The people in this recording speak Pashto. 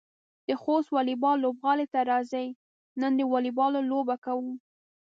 د خوست واليبال لوبغالي ته راځئ، نن د واليبال لوبه کوو.